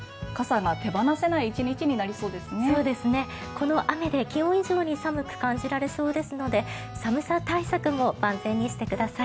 この雨で今日以上に寒く感じられそうですので寒さ対策も万全にしてください。